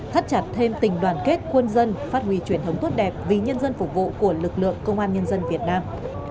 thắt chặt thêm tình đoàn kết quân dân phát huy truyền thống tốt đẹp vì nhân dân phục vụ của lực lượng công an nhân dân việt nam